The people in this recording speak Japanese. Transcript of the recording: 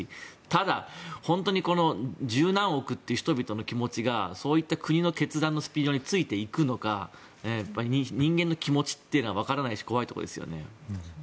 ただ、本当に十何億という人々の気持ちがそういった国の決断のスピードについていくのか人間の気持ちというのはわからないし怖いところですよね。